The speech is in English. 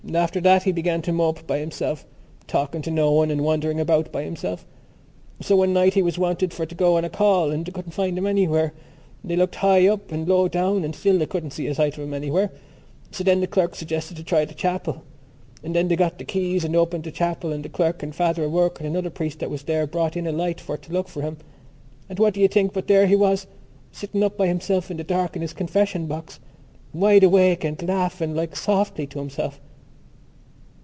"After that he began to mope by himself, talking to no one and wandering about by himself. So one night he was wanted for to go on a call and they couldn't find him anywhere. They looked high up and low down; and still they couldn't see a sight of him anywhere. So then the clerk suggested to try the chapel. So then they got the keys and opened the chapel and the clerk and Father O'Rourke and another priest that was there brought in a light for to look for him.... And what do you think but there he was, sitting up by himself in the dark in his confession box, wide awake and laughing like softly to himself?"